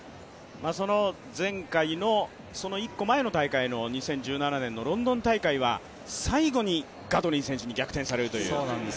その前回の１個前の大会の２０１７年のロンドン大会は最後にガトリン選手に逆転されるという。